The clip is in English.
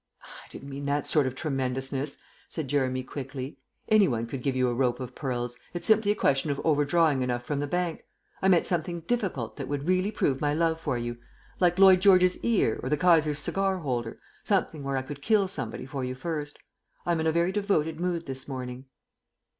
"I didn't mean that sort of tremendousness," said Jeremy quickly. "Anyone could give you a rope of pearls; it's simply a question of overdrawing enough from the bank. I meant something difficult that would really prove my love for you like Lloyd George's ear or the Kaiser's cigar holder. Something where I could kill somebody for you first. I am in a very devoted mood this morning."